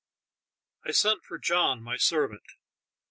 I sent for John, my servant.